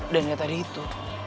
dan dari tadi itu